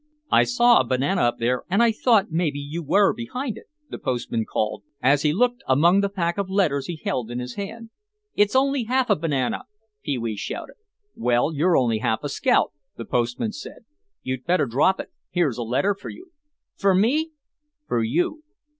"I saw a banana up there and I thought maybe you were behind it," the postman called, as he looked among the pack of letters he held in his hand. "It's only half a banana," Pee wee shouted. "Well, you're only half a scout," the postman said; "you'd better drop it, here's a letter for you." "For me?" "For you."